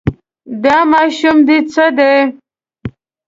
دا ماشوم دې څه دی.